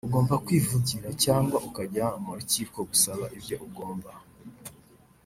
ugomba kwivugira cyangwa ukajya mu rukiko gusaba ibyo ugombwa